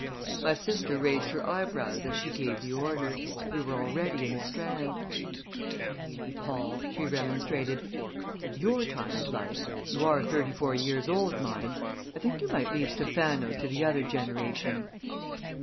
My sister raised her eyebrows as she gave the order. We were already in the Strand. "Really, Paul," she remonstrated, "at your time of life you are thirty four years old, mind I think you might leave Stephano's to the other generation!"